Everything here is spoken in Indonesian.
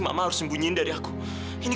mama juga baru tau dari mulut nenek